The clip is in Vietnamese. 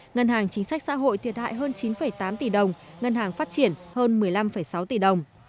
ngân hàng chính sách xã hội thiệt hại hơn chín tám tỷ đồng ngân hàng phát triển hơn một mươi năm sáu tỷ đồng